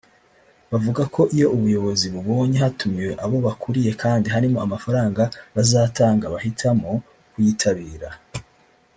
Bavuga ko iyo ubuyobozi bubonye hatumiwe abo bakuriye kandi harimo amafaranga bazatanga bahitamo kuyitabira